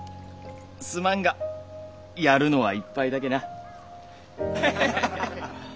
すまんがやるのは１杯だけな。